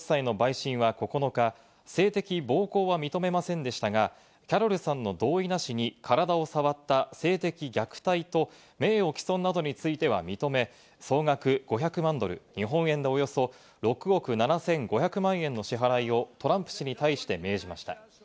ニューヨーク連邦地裁の陪審は９日、性的暴行は認めませんでしたが、キャロルさんの同意なしに体を触った、性的虐待と名誉毀損などについては認め、総額５００万ドル、日本円でおよそ６億７５００万円の支払いをトランプ氏に対して命じました。